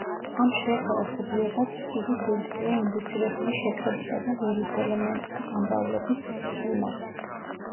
ამ შრეთა ერთობლიობა წრფივი სივრცეა ინდუცირებული შეკრებისა და ველის ელემენტზე გამრავლების მიმართ.